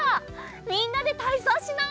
みんなでたいそうしない？